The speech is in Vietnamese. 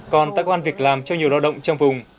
còn tác quan việc làm cho nhiều lao động trong vùng